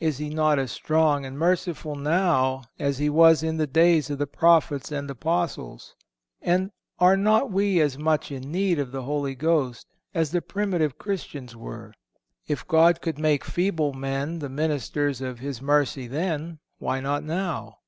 Is He not as strong and merciful now as He was in days of the Prophets and Apostles, and are not we as much in need of the Holy Ghost as the primitive Christians were? If God could make feeble men the ministers of His mercy then, why not now?